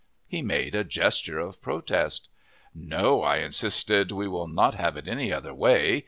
He made a gesture of protest. "No," I insisted, "we will not have it any other way.